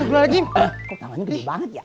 kok tangannya kecil banget ya